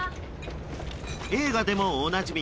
映画でもおなじみ